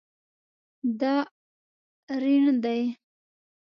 دا ریڼ دی